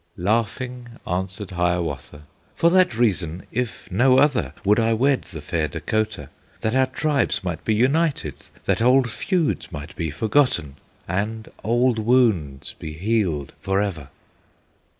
Laughing answered Hiawatha: "For that reason, if no other, Would I wed the fair Dacotah, That our tribes might be united, That old feuds might be forgotten, And old wounds be healed forever!"